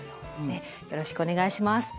よろしくお願いします。